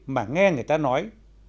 mà nghe người ta nói